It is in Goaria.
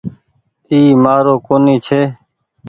اي مآن رو ڪونيٚ ڇي۔